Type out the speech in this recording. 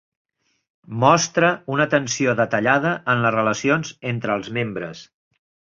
Mostra una tensió detallada en les relacions entre els membres.